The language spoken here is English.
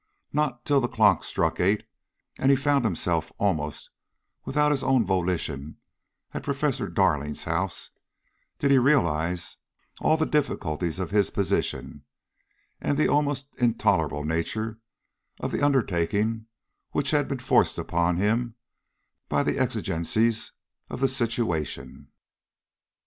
Not till the clock struck eight and he found himself almost without his own volition at Professor Darling's house, did he realize all the difficulties of his position and the almost intolerable nature of the undertaking which had been forced upon him by the exigencies of the situation.